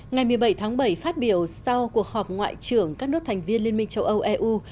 ngày một mươi bảy tháng bảy phát biểu sau cuộc họp ngoại trưởng các nước thành viên liên minh châu âu eu